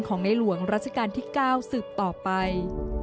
ในหลวงรัชกาลที่๙สืบต่อไป